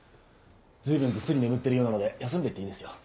随分ぐっすり眠ってるようなので休んで行っていいですよ。